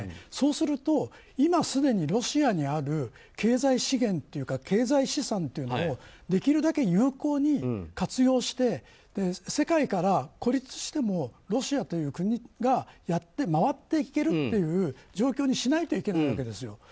そうすると今すでにロシアにある経済資源というか経済資産というのをできるだけ有効に活用して世界から孤立してもロシアという国がやって回っていけるという状況にしないといけないわけですよ。